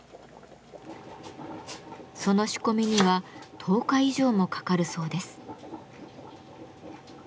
その仕込みには１０日以上もかかるそうです。